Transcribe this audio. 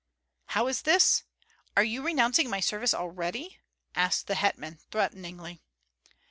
"How is this? Are you renouncing my service already?" asked the hetman, threateningly.